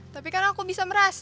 tapi karena aku bisa merasa